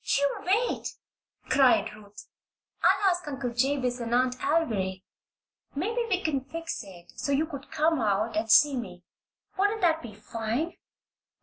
"You wait!" cried Ruth. "I'll ask Uncle Jabez and Aunt Alviry. Maybe we can fix it so you could come out and see me. Wouldn't that be fine?"